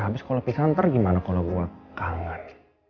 habis kalau pisa ntar gimana kalau gue kangen